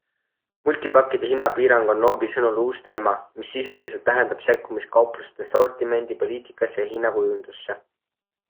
Multipakkide hinnapiirang on Noobi sõnul uus teema, mis sisuliselt tähendab sekkumist kaupluste sortimendi poliitikasse ja hinnakujundusse.